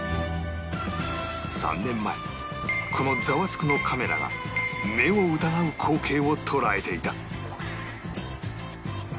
３年前この『ザワつく！』のカメラが目を疑う光景を捉えていた